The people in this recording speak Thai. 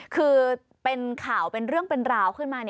คือเป็นข่าวเป็นเรื่องเป็นราวขึ้นมา